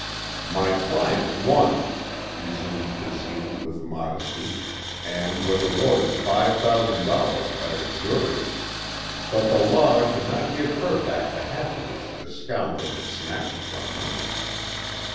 "My client won," resumed Basine with modesty, "and was awarded five thousand dollars by the jury. But the law could not give her back the happiness this scoundrel had snatched from her...."